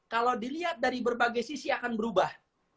kalau dilihat dari berbagai sisi akan berubah